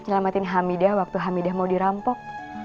nyelamatin hamidah waktu hamidah mau dirampok